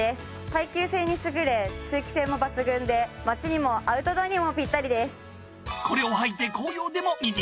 耐久性に優れ通気性も抜群で街にもアウトドアにもぴったりです。